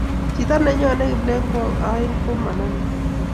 chito ne yonei kiplengwok aeng ko manamei